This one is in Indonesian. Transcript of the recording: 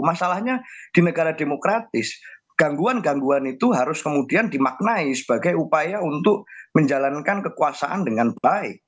masalahnya di negara demokratis gangguan gangguan itu harus kemudian dimaknai sebagai upaya untuk menjalankan kekuasaan dengan baik